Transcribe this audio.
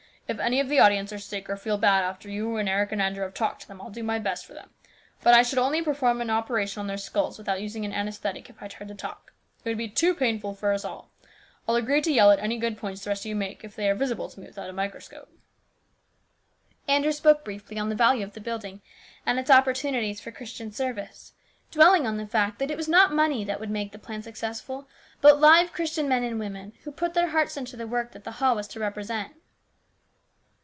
If any of the audience are sick or feel bad after you and Eric and Andrew have talked to them, I'll do my best STEWARDSHIP. 313 for them ; but I should only perform an operation on their skulls without using an anaesthetic if I tried to talk. It would be too painful for us all. I'll agree to yell at any good points the rest of you make, if they are visible to me without a microscope." Andrew spoke briefly on the value of the building and its opportunities for Christian service, dwelling on the fact that it was not money that would make the plan successful, but live Christian men and women, who put their hearts into the work that the hall was to represent.